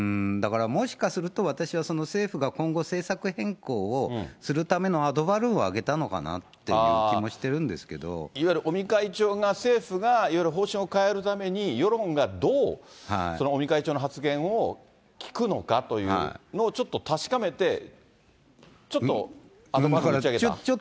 だからもしかすると、私はその政府が今後、政策変更をするためのアドバルーンを揚げたのかなっていう気もしいわゆる尾身会長が、政府がいわゆる方針を変えるために、世論がどうその尾身会長の発言を聞くのかというのをちょっと確かめて、ちょっとアドバルーンというか。